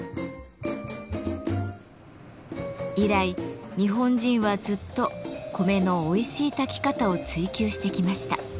以来日本人はずっと米のおいしい炊き方を追求してきました。